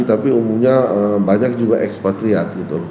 tapi umumnya banyak juga ekspatriat gitu loh